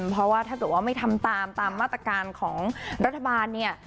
เพราะว่าถ้าสมมุติว่าไม่ทำตามตามมาตรการของรัฐบาล